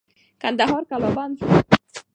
کندهار قلابند سو.